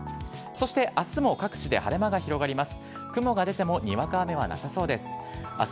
そしてあすも各地で晴れ間が広がります。